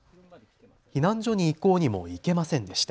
避難所に行こうにも行けませんでした。